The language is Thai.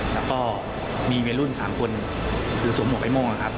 แล้วก็มีเวลรุ่น๓คนคือสวมหัวไปโมงนะครับ